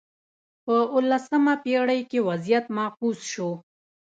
په اولسمه پېړۍ کې وضعیت معکوس شو.